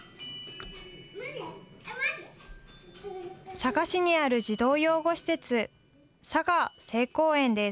佐賀市にある児童養護施設、佐賀清光園です。